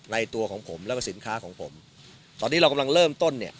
ตัวของผมแล้วก็สินค้าของผมตอนนี้เรากำลังเริ่มต้นเนี่ย